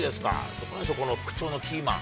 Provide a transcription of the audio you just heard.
どうなんでしょう、復調のキーマン。